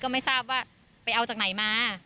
ไม่ทราบว่าไปเอาจากไหนมา